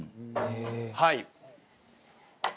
はい。